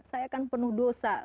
saya akan penuh dosa